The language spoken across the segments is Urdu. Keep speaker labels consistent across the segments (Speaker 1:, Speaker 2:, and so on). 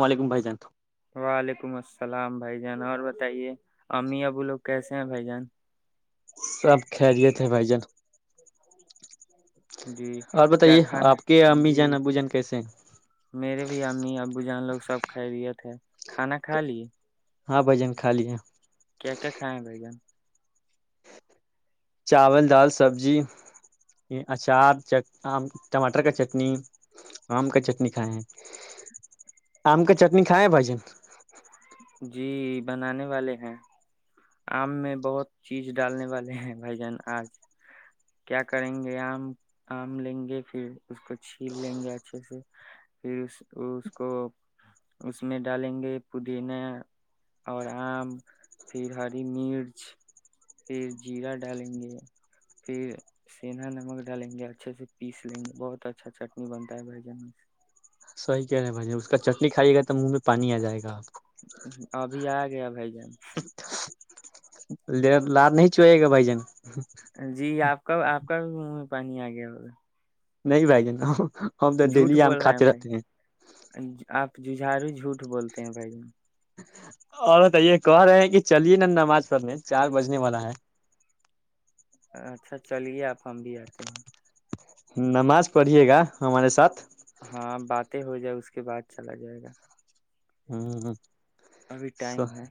Speaker 1: وعلیکم بھائی جان
Speaker 2: وعلیکم السلام بھائی جان اور بتائیے ہم آ بولو کہ بھائی جان
Speaker 1: سب خیریت تھے بھائی جان
Speaker 2: جی
Speaker 1: اور
Speaker 2: کیا
Speaker 1: بتائیے
Speaker 2: کھانا
Speaker 1: آپ کے امی
Speaker 2: جی
Speaker 1: جان ابو جان کیسے ہیں
Speaker 2: میرے بھی امی ابو جان لوگ سب کرییے تھے کھانا کھ لیی
Speaker 1: ہاں بھجن خالی ہے
Speaker 2: کیا کیا کھائے ہیں بھ جان
Speaker 1: چاول دال سبزی اچارم ٹماٹر کا چٹنی آم کا چٹنی کھائے ہیں آم کا چٹنی کھائےیں بھائیجن
Speaker 2: جی بنانے والے ہیں آم میں بہت چیز ڈالنے والے ہیں بھائی جان آج کیا کریں گے آم آم لیں گے پھر اس کو چھیل لیں گے اچھے سے پھر اس اس کو اس میں ڈالیں گے پودینا اور آم پھر ہری مرچ [inaudible] پھر جیرہ ڈالیں گے پھر سناا نمک ڈالیں گے اچھے سے پیس لیں گے بہت اچھا چٹنی بنتا ہے بھائی جان سے
Speaker 1: صحی کہہ رہے ہیں بھائی اس کا چٹنی کھائیے گا تو منہ پانی آ جائے گا آپ
Speaker 2: [inaudible] ابھی آ گیا بھائی جان [inaudible] [inaudible]
Speaker 1: نہیں چوئے گا بھائی جان
Speaker 2: جی آپ کب آپ کا منہ میں پانی آ گیا ہوا
Speaker 1: نہیں بہ جا ہم تو ڈیلی آم
Speaker 2: بول رہے
Speaker 1: کھاتے
Speaker 2: بھائی
Speaker 1: رہتے ہیں
Speaker 2: آپ ججھارو جھوٹ بولتے ہیں بھائی
Speaker 1: اور بتائیے کہ رہے ہیں کہ چلیے نا نماز پڑھنے چار بجنے والا ہے
Speaker 2: اچھا چلیے آپ ہم بھی آتے ہیں
Speaker 1: نماز پڑھیے گا ہمارے ساتھ
Speaker 2: ہاں باتیں ہو جائے اس کے بعد چلا جائے گا
Speaker 1: ہاں [inaudible]
Speaker 2: ابھی ٹائم ہے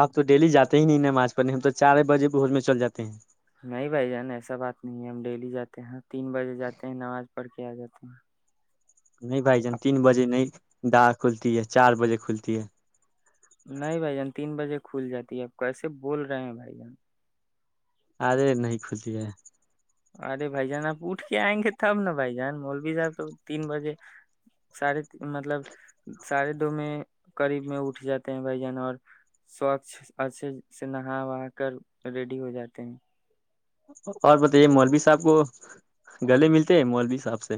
Speaker 1: آپ تو ڈیلی جاتے ہی نہیں نماز پڑنے ہم تو چار بجے بوج میں چل جاتے ہیں
Speaker 2: نہیں بھائی جان ایسا بات نہیں ہے ہم ڈیلی جاتے ہیں تین بجے جاتے ہیں نماز پڑھ کے آ جاتے ہیں
Speaker 1: نہیں بھائی جان
Speaker 2: آپ
Speaker 1: تین بجے نہیں دا کھلتی ہے چار بجے کھلتی ہے [unintelligible]
Speaker 2: نہیں بھائی جان تین بجے کھل جاتی ہے آپ کیسے بول رہے ہیں بھائی جان
Speaker 1: ارے نہیں کھود ہے
Speaker 2: ارے بھائی جان آپ اٹھ کے آئیں گے تب نا بھائی جان مولبیزا تو تین بجے [unintelligible] سارے مطلب ساھے دو میں قریب میں اٹھ جاتے ہیں بھائی جن اور سوچھ اچھے سے نہا وا کر ریڈی ہو جاتے ہیں
Speaker 1: اور بتائیے مولوی صاحب کو گلے ملتے ہیں مولوی صاب سے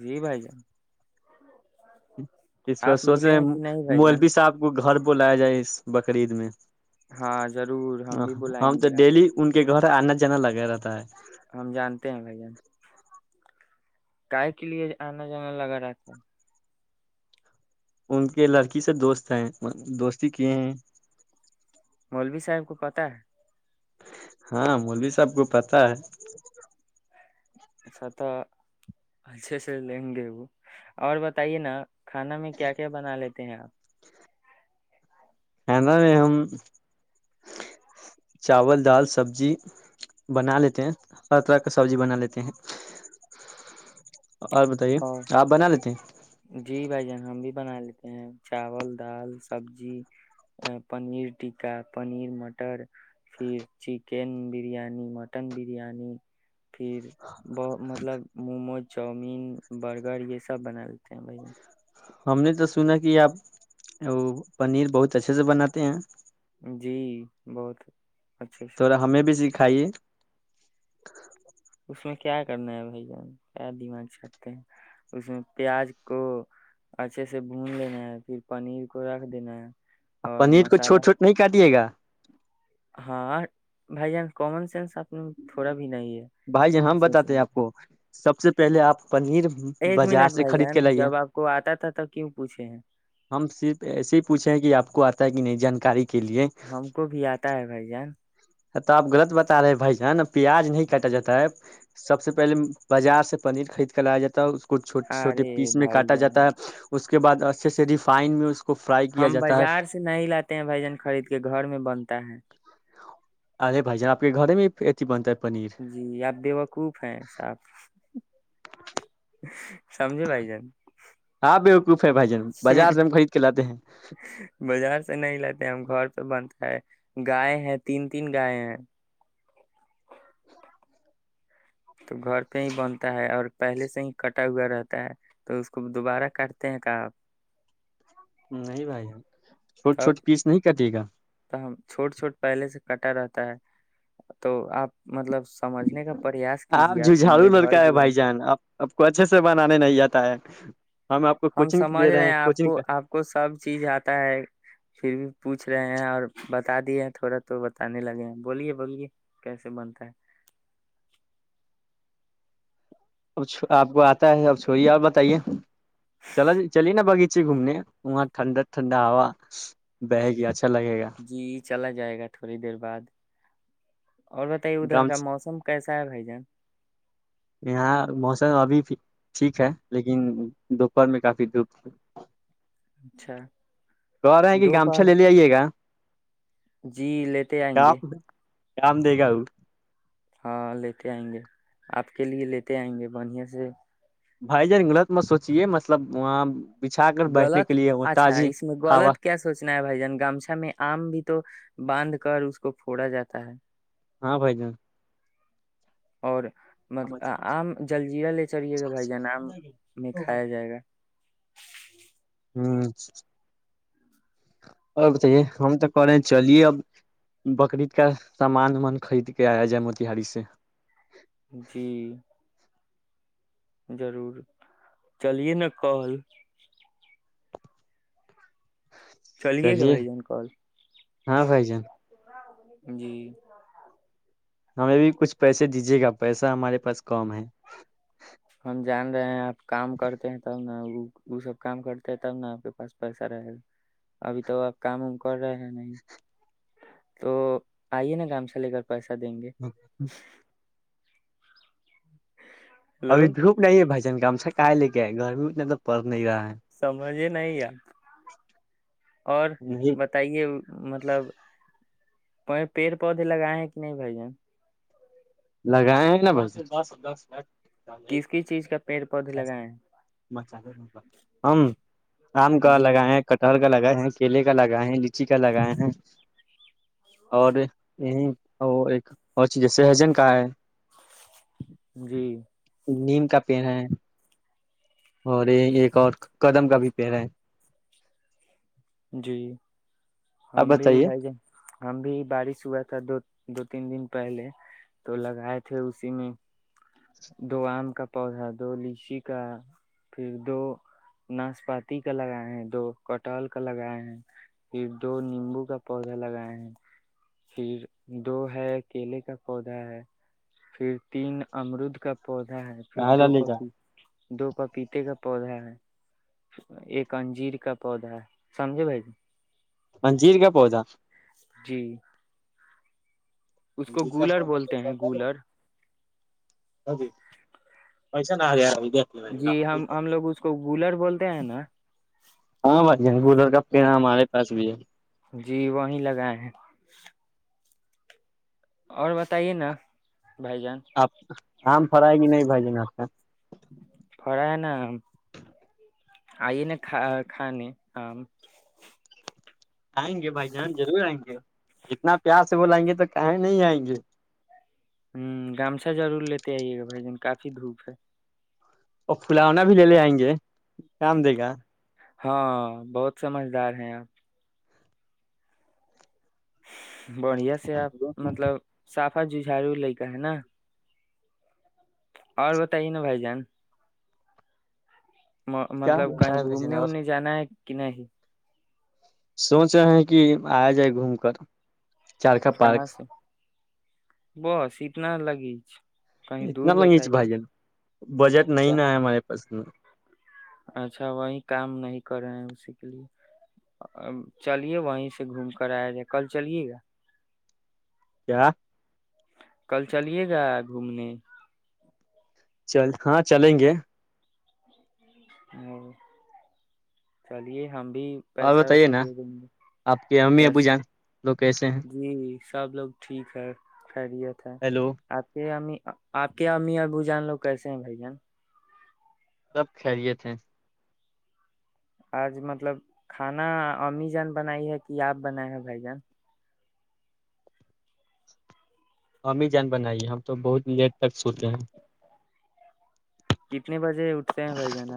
Speaker 2: جی بھائی جان
Speaker 1: ہ [unintelligible] اس پرار
Speaker 2: آپ
Speaker 1: سوچ
Speaker 2: ملے
Speaker 1: رہے
Speaker 2: ہیں کہ نہیں بھائی جان
Speaker 1: ملبی سےا آپ کو گھر [unintelligible] کو لایا جائے اس بقرعید میں [unintelligible]
Speaker 2: ہاں ضرور ہم بھی بلائیں
Speaker 1: ہم تو
Speaker 2: گے آپ بھی
Speaker 1: ڈیلی ان کے گھر آنا جانا لگا رہتا ہے
Speaker 2: ہم جانتے ہیں بھائی جان کاائے کے لیے آنا جانا لگا رہتا ہے
Speaker 1: ان کے لڑکی سے دوست ہیں دوستی کی ہیں
Speaker 2: ملوی صاحب کو پتا ہے
Speaker 1: ہاں می سب کو پتا ہے [unintelligible]
Speaker 2: اچھا تو اچھے سے لیں گے وہ اور بتائیے نا کھانا میں کیا کیا بنا لیتی ت ہیںاں [unintelligible]
Speaker 1: خ میں ہم چاول دال سبزی بنا لیتے ہیں ہر طرح کا سبزی بنا لیتے ہیں [unintelligible] اور بتائیے
Speaker 2: اور
Speaker 1: آپ بنا لیتے ہیں
Speaker 2: جی بھائی جان ہم بھی بنا لیتے ہیں چاول دال سبزی پنیر ٹکہ پنیر مٹر پھر چکن بریانی مٹن بریانی پھر مطلب مومو چاؤمین برگر یہ سب بنا لیتے ہیں بھائی
Speaker 1: ہم نے تو سنا کہ آپ وہ پنیر بہت اچھے سے بناتے ہیں
Speaker 2: جی بہت اچھے سے
Speaker 1: توا ہمیں بھی سیکھ [inaudible] کھائی
Speaker 2: اس میں کیا کرنا ہے بھ جان کیا دماغ چٹتے ہیں اس میں پیاز کو اچھے سے بھون لینا ہے پھر پنیر کو رکھ دینا ہے
Speaker 1: آپ
Speaker 2: اور
Speaker 1: پنیر کو چھوٹ
Speaker 2: مسالہ
Speaker 1: چھوٹ نہیں کا دیے گا
Speaker 2: ہاں بھائی جان کومن سینس آپ نے تھوڑا بھی نہیں ہے
Speaker 1: بھائی ہم بتاتے ہیں آپ
Speaker 2: ایک
Speaker 1: کو سب سے پہلے آپ پنیر بازار
Speaker 2: منٹ
Speaker 1: سے
Speaker 2: بھائی
Speaker 1: خرید کے
Speaker 2: جان
Speaker 1: لائیے
Speaker 2: جب آپ کو آتا تھا تو کیوں پوچھے ہیں
Speaker 1: ہم صرف ایسے ہی پوچھے کہ آپ کو کہ نہیں جانکاری [unintelligible]
Speaker 2: ہم کو بھی آتا ہے بھائی جان
Speaker 1: تو آپ غلط بتا رہے ہیں بھائی جان نا پیاز نہیں کاٹا جاتا ہے سب سے پہلے بازار سے پنیر خرید کے لایا جاتا کو چھوٹے چھوٹے
Speaker 2: ارے
Speaker 1: پیس میں
Speaker 2: بھائی
Speaker 1: کاٹا
Speaker 2: جان
Speaker 1: جاتا ہے اس [unintelligible] اس کے بد اچھے سے ریفائن میں اس کو [unintelligible] کیا
Speaker 2: ہم
Speaker 1: جاتا ہے
Speaker 2: بازار سے نہیں لاتے ہیں بھجن خرید کے گھر میں بنتا ہے
Speaker 1: ارے بھائی جان آپ کے گھر میں بھی اتی بنتا ہے پنیر
Speaker 2: جی آپ بے وقوف ہیں صاحب [unintelligible] سمجے بائی جان
Speaker 1: ہاں بیوقوف ہے بھائی جان بازار سے ہم خرید کے لاتے ہیں
Speaker 2: بازار سے نہیں لیتے ہم گ بنتا ہے گائے ہیں تین تین گائے ہیں [unintelligible] تو گھر پہ ہی بنتا ہے اور پہلے سے ہی کٹا ہوا رہتا ہے تو اس کو دوبارہ کاٹتے ہیں کہ آپ
Speaker 1: نہیں بھائی چھوٹ چھوٹ
Speaker 2: تب
Speaker 1: پیس نہیں کٹے گا
Speaker 2: تو ہم چھوٹ چھوٹ پہلے سے کٹا رہتا ہے تو آپ مطلب [unintelligible] کا پریاس
Speaker 1: آپ
Speaker 2: کیجیے تو
Speaker 1: ججھاڑو
Speaker 2: میرے گھر
Speaker 1: لڑکا ہے
Speaker 2: بھی آئے
Speaker 1: بھائی جان آپ آپ کو اچھے سے بنانے نہیں جاتتے ت [unintelligible]
Speaker 2: ہم سمجھ رہے ہیں آپ کو آپ کو سب چیز آتا ہے پھر بھی پوچھ پوچھ رہے ہیں اور بتا دیے تھوڑا تو بتانے لگے ہیں بولیے بلیے کیسے بنتا ہے
Speaker 1: اب آپ کو آتا ہے اب چھوئیے اور بتائیے چلا ج چلیے نا باغیچے گھومنے وہاں ٹھنڈا ٹھنڈا ہوا بہ گیاھا
Speaker 2: جی چلا ج جائے گا تھوڑی دیر بعد [unintelligible] اور بتائیے ادھر
Speaker 1: گم
Speaker 2: کا موسم کیسے س بھائی جان [unintelligible]
Speaker 1: یہاں موسم ابھی ٹھیک ہے لیکن دوپہر میں کافی دھوپ
Speaker 2: اچھا [unintelligible]
Speaker 1: کہ رہے ہیں کہ گامچھا
Speaker 2: دوپہر
Speaker 1: لے لے آئیے گا
Speaker 2: جی لیتے آئیں گے
Speaker 1: کام کام دے گا وہ
Speaker 2: ہاں لیتے آئیں گے آپ کے لیے لیتے آئیں گے بڑھیا سے
Speaker 1: بھائی ج غلط میں سوچیے مطلب وہاں بچھا کر بیٹھنے
Speaker 2: غلط
Speaker 1: کے لیے وہ
Speaker 2: اچھا
Speaker 1: تازی
Speaker 2: اس میں
Speaker 1: ہوا
Speaker 2: غلط کیا سوچنا ہے بھائی جان گمھا میں آم بھی تو باندھ کر اس کو پھوڑا جاتا ہے [unintelligible]
Speaker 1: ہاں بھائی جان
Speaker 2: ہوی [unintelligible] م آم جلجیرا لے چلیے گا بھائی جان آم میں
Speaker 1: ہوں
Speaker 2: کھایا جائے گا
Speaker 1: ہ اور بتائیے ہم تو کرے چلیے اب بکریید کا سامان ومان خرید کے آیا جائے موتیہاری سے [unintelligible]
Speaker 2: جی ضرور چلیے نا کل چلیے گ بھائی جان کال
Speaker 1: ہاں بھائی جان
Speaker 2: جی [unintelligible]
Speaker 1: ہمیں بھی کچھ پیسے دیجیے گا پیسہ ہمارے پاس کم ہے
Speaker 2: ہم جان رہے ہیں آپ کام کرتے ہیں تب نا وہ وہ سب کام کرتے ہیں تب نا آپ کے پاس پیسہ رہے گا ابھی تو آپ کام وم کر رہے ہیں نہیں تو آئیے نا کام سے لے کر پیسہ دیں گے [unintelligible] ہلو
Speaker 1: ابھی دھوپ نہیں ہے بھائی جن کام سےا لے کے گرمی اتنا تو پڑ نہیں رہا ہے [unintelligible]
Speaker 2: سمج [unintelligible] مجھے نہیں یار [unintelligible] اور
Speaker 1: نہیں
Speaker 2: بتائیے [unintelligible] مطلب پیڑ پودے لگائےائے ہیں کہ نہیں بھ جین [unintelligible]
Speaker 1: لگائے ہیں نا بس
Speaker 2: کس کس چیز کا پیڑ پودے لگائے
Speaker 1: د ہم آم
Speaker 2: ہیں
Speaker 1: کا
Speaker 2: جی
Speaker 1: لگائے کٹہر [unintelligible] لگائے ہیں کیلے کا لگائے ہیں لچی کا لگائے ہیں اور یہیں ایک اور چیز جیسے ہجن [unintelligible] کاائے [unintelligible]
Speaker 2: جی [unintelligible]
Speaker 1: نیم کا پیڑ ہے [unintelligible] اور یہ ایک اور قدم کا بھی پڑ ہے
Speaker 2: جی [unintelligible]
Speaker 1: آپ
Speaker 2: ہم بھی
Speaker 1: بتائیے
Speaker 2: بھائی جان ہم بھی بارش ہوا تھا دو دو تین دن پہلے تو لگائے تھے اسی میں دو آم کا پودا دو لیچی کا پھر دو ناشپاتی کا لگائے ہیں دو کٹل [unintelligible] لگائے ہیں پھر دو نیمبو کا پودا لگائے ہیں پھر دو ہے کیلے کا پودا ہے پھر تین امرود کا [unintelligible] پودا ہے پھر دو
Speaker 1: لے جا
Speaker 2: پپی دو پپیتے کا [unintelligible] پودا ہے ایک انجیر کا پودا ہے [unintelligible] سمجے بھائی جی [unintelligible]
Speaker 1: منجیر کا پودا
Speaker 2: جی اس کو
Speaker 1: منجیر کا
Speaker 2: گولر
Speaker 1: پودا
Speaker 2: بولتے
Speaker 1: کیسا
Speaker 2: ہیں
Speaker 1: ہوتا
Speaker 2: گولر
Speaker 1: پیسا نہ آ گیا [unintelligible]
Speaker 2: جی ہم ہم لوگ اس کو گولر بولتے ہیں نا
Speaker 1: ہاں بھائی جان گلر کا
Speaker 2: وہ
Speaker 1: پیڑ ہمارے پاس بھی ہے
Speaker 2: جی وہی لگائے ہیں ج [unintelligible] اور بتائیے نا بھ جان
Speaker 1: آپ آم فرائی کی نہیں بھائی جے گ سے
Speaker 2: خڑا ہے نا آئیے نا کھان [unintelligible]
Speaker 1: آئیں گے بھائی جان ضرور آئیں گے جتنا پیار سے وہ لائیں گے تو کہیں نہیں آئیں گے [unintelligible]
Speaker 2: ہوں گامچا ضرور لیتے آئیے گا بھائی جن کافی دھوپ ہے
Speaker 1: اور فلاونا بھی لے لے آئیں گے کام دے گا
Speaker 2: ہاں بہت سمجھدار ہیں آپ بڑھیا سے آپ مطلب صاف ہاں جی جھاڑو لے کا ہے نا اور بتائیے نا بھائی جان
Speaker 1: کیا
Speaker 2: مطلب کہیں
Speaker 1: بتائے بھائی جان
Speaker 2: گھومنے
Speaker 1: اور
Speaker 2: وومنے جانا ہے کہ نہیں
Speaker 1: سوچ رہے ہیں کہ آ جائے گھوم کر چارخا پارک
Speaker 2: کہاں سے بس اتنا لگی کہیں
Speaker 1: اتنا
Speaker 2: دور
Speaker 1: لنگیچ
Speaker 2: بتائیے
Speaker 1: بھائی بجٹ نہیں
Speaker 2: کیا
Speaker 1: نا ہے ہمارے پسنا
Speaker 2: اچھا وہی کام نہیں کر رہے ہیں اسی کے لیے چلیے وہیں سے گھوم کر آیا جائے کل چلیے گا
Speaker 1: کیا
Speaker 2: کل چلیے گا گھومنے
Speaker 1: چل ہاں چلیں گے
Speaker 2: چلیے ہم بھی
Speaker 1: اور
Speaker 2: پیسہ
Speaker 1: بتائیے
Speaker 2: ویسا
Speaker 1: نا
Speaker 2: دے دیں گے
Speaker 1: آپ کے امی ابو
Speaker 2: بس
Speaker 1: جان لوگ کیسے ہیں
Speaker 2: جی سب لوگ ٹھیک ہے خیریت ہے
Speaker 1: ہیلو
Speaker 2: آپ کے یہیں آپ کے امی ابو جان لوگ کیسے ہیں بھ جان
Speaker 1: سب خہریے تھے
Speaker 2: آج مطلب کھانا امی جان بنائی ہے کہ آپ بناائے ہیں بھائی جان
Speaker 1: ہماممی جان بنائی ہم تو بہت دیر تک سوتے ہیں
Speaker 2: کتنے بجے اٹھتے ہیں بھائی جان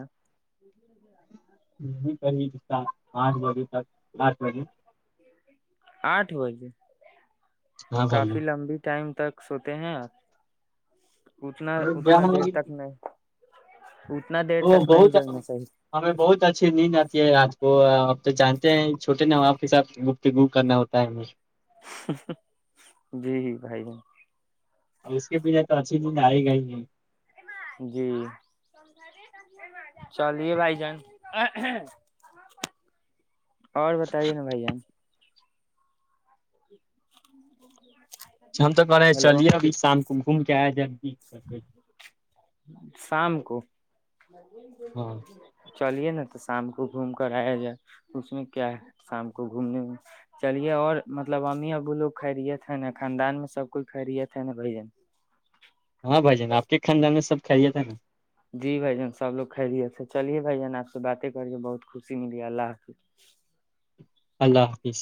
Speaker 1: کر پانچ بجے تک آچ بجے
Speaker 2: آٹھ بجے
Speaker 1: ہاں بھائی
Speaker 2: کافی لمبی ٹائم تک سوتے ہیں آپ اتنا اتنا دیر تک نہیں اتنا دیر
Speaker 1: وہ
Speaker 2: تک نہیں
Speaker 1: بہت
Speaker 2: جگنا چاہیے
Speaker 1: ہمیں بہت اچھی نیند آتی ہے آج وہ آپ تو جانتے ہیں چھوٹے نا وہ آپ کے ساتھ گ پ گ کرنا ہوتا ہے ہم
Speaker 2: جی بھائی
Speaker 1: اور اس کے پیچھے تو اچھی ند آ ہی گئی ہے
Speaker 2: جی چلیے بھائی جان اور بتائیے نا بھائی جان [inaudible]
Speaker 1: ہم تو کرہ رہے ہیں
Speaker 2: ہیلو
Speaker 1: چلیے ابھی شام کمکم کیا ہے جان
Speaker 2: شام کو
Speaker 1: ہاں
Speaker 2: چلیے نا تو شام کو گھوم کر آیا جائے اس میں کیا ہے شام کو گھومنے میں چلیے اور مطلب امی ابو لوگ کھ رہیے تھ ن خاندان میں سب کوئی کھ رہیے تھن نا بھ جن
Speaker 1: ہاں بھائی جان آپ کے خاندان میں سب کھے تھا نا
Speaker 2: جی بھائی جان سب لوگ کھ رہیے تھے چلیے بھائی جان آپ سے باتیں کریے بہت خوشی ملی اللہ حافظ
Speaker 1: اللہ حافظ